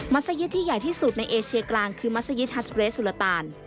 สยิตที่ใหญ่ที่สุดในเอเชียกลางคือมัศยิตฮัสเรสสุลตาน